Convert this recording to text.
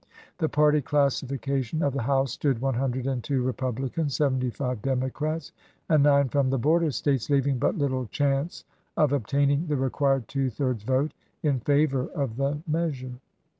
The party classification of the House stood one hundred and two Republicans, seventy five Democrats, and nine from the border States, leaving but little chance of obtaining the required two thirds vote in favor of the measure.